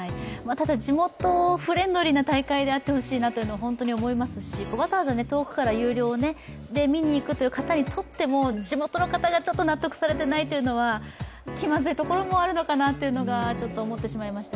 ただ、地元、フレンドリーな大会になってほしいなと本当に思いますし、わざわざ遠くから有料で見に行く方にとっても地元の方が納得されていないっていうのはきまずいところもあるのかなって思ってしまいました。